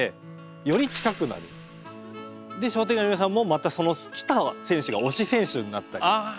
で商店街の皆さんもまたその来た選手が推し選手になったり。